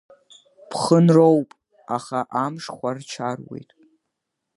Ԥхынроуп, аха амш хәарчаруеит.